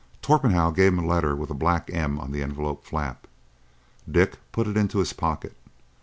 Torpenhow gave him a letter with a black M. on the envelope flap. Dick put it into his pocket.